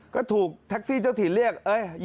ก็ถูกแท็กซี่เจ้าถิ่นเรียก